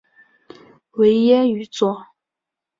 维耶于佐。